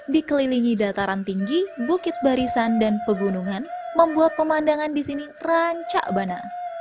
dikelilingi dataran tinggi bukit barisan dan pegunungan membuat pemandangan di sini rancak bana